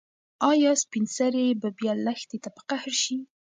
ایا سپین سرې به بیا لښتې ته په قهر شي؟